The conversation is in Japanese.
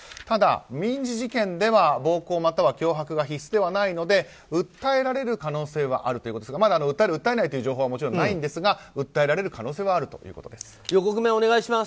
ただ、民事事件では暴行または脅迫が必須ではないので訴えられる可能性はあるということですがまだ訴える、訴えないという情報はないんですが訴えられる可能性があるということです。